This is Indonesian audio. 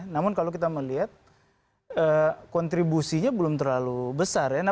namun kalau kita melihat kontribusinya belum terlalu besar ya